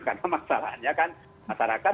karena masalahnya kan masyarakat